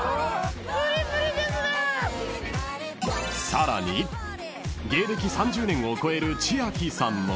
［さらに芸歴３０年を超える千秋さんも］